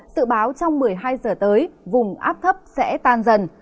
sự báo trong một mươi hai giờ tới vùng áp thấp sẽ tan dần